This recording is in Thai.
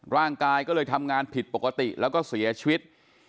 ร่างกายก็เลยทำงานผิดปกติแล้วก็เสียชีวิต